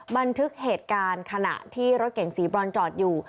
บันทึกเหตุการณ์ขณะที่รถเก่งสีบรอนจอดอยู่